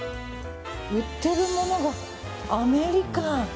売っているものがアメリカン。